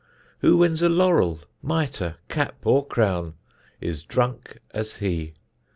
Who wins a laurel, mitre, cap, or crown, Is drunk as he.